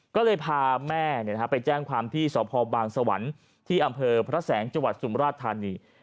ก็เลยพาแม่ไปแจ้งความที่สพบางสวรรค์ที่อำเภอพระแสงจังหวัดสุมราชธานี